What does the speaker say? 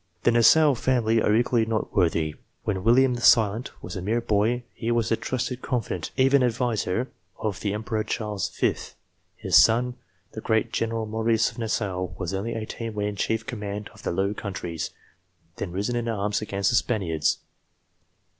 The Nassau family are equally noteworthy. When William the Silent was a mere boy, he was the trusted confidant, even adviser, of the Emperor Charles V. His son, the great general Maurice of Nassau, was only eighteen when in chief command of the Low Countries, then risen in arms against the Spaniards.